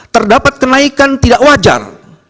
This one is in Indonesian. terdapat kenaikan tidak wajar